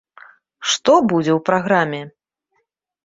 Што будзе ў праграме?